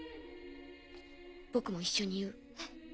僕も一緒に言う。